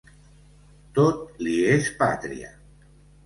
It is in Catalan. Tot li és pàtria.